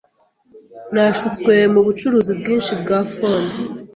Nashutswe mubucuruzi bwinshi bwa fony.